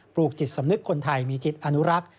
ลูกจิตสำนึกคนไทยมีจิตอนุรักษ์